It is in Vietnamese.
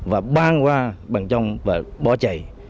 và ban qua bằng trong và bỏ chạy